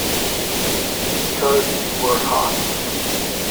Because you were hot.